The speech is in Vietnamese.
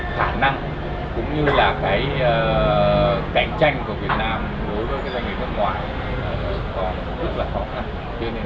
khả năng cũng như là cái cạnh tranh của việt nam đối với doanh nghiệp nước ngoài còn rất là khó khăn